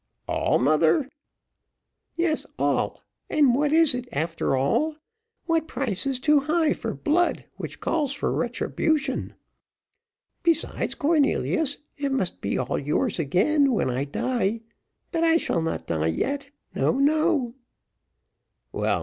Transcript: "All, mother?" "Yes, all; and what is it, after all? What price is too high for blood which calls for retribution? Besides, Cornelius, it must be all yours again when I die; but I shall not die yet no, no."